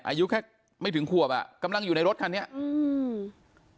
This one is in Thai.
อายุแค่ไม่ถึงขวบอ่ะกำลังอยู่ในรถคันนี้อืม